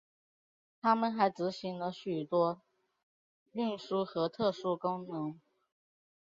但他们还执行了许多运输和特殊功能。